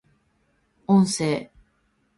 音声